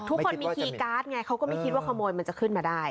ทุกคนมีคีย์การ์ดไงเขาก็ไม่คิดว่าขโมยมันจะขึ้นมาได้